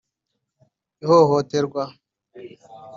ihohoterwa